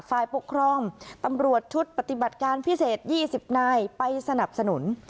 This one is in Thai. ฝ่ายปกครองตำรวจชุดปฏิบัติการพิเศษ๒๐นายไปสนับสนุน